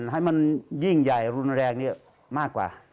ให้มันยิ่งใหญ่รุนแรงนี้มากกว่า